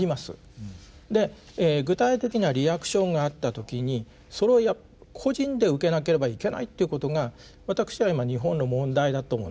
具体的なリアクションがあった時にそれを個人で受けなければいけないということが私は今日本の問題だと思うんですね。